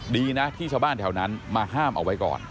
ดีนะที่ชาวบ้านแถวนั้นมาห้ามเอาไว้ก่อน